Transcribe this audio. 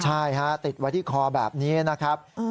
ใช่ฮะติดไว้ที่คอแบบนี้นะครับ